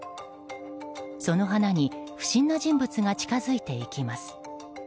その花に不審な人物が近づいていきます。